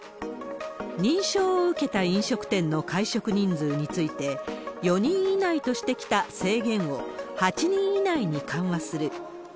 認証を受けた飲食店の会食人数について、４人以内としてきた制限を８人以内に緩和する。